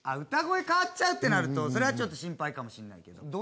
歌声変わっちゃうってなるとそれはちょっと心配かもしれないけど。